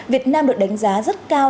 việt nam được đánh giá rất cao